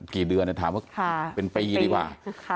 กี่เดือนถามว่าเป็นปีดีกว่า